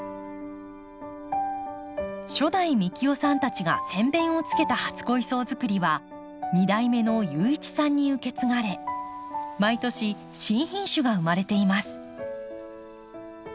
初代幹雄さんたちが先べんをつけた初恋草づくりは２代目の雄一さんに受け継がれ毎年新品種が生まれています。